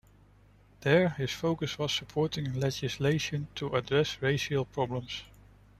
There, his focus was supporting legislation to address racial problems.